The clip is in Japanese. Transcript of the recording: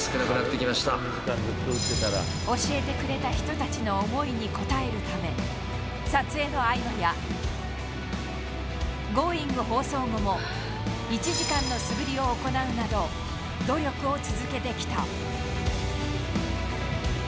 教えてくれた人たちの思いに応えるため、撮影の合間や、Ｇｏｉｎｇ！放送後も１時間の素振りを行うなど、努力を続けてきた。